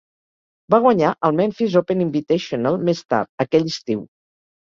Va guanyar el Memphis Open Invitational més tard, aquell estiu.